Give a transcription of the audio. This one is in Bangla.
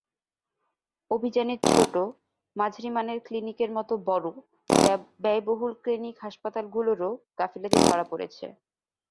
অভিযানে ছোট, মাঝারি মানের ক্লিনিকের মতো বড়, ব্যয়বহুল ক্লিনিক হাসপাতালগুলোরও গাফিলতি ধরা পড়েছে।